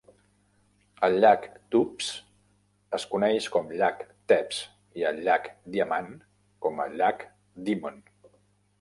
El llac Tubbs es coneix com "Llac Tebbs" i el Llac Diamant com a "Llac Dimon".